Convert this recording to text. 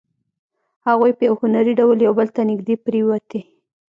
هغوی په یو هنري ډول یو بل ته نږدې پرېوتې